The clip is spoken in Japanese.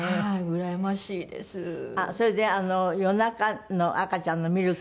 それで夜中の赤ちゃんのミルクも。